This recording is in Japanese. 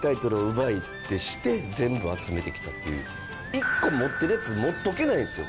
１個持ってるやつ持っておけないんですよ。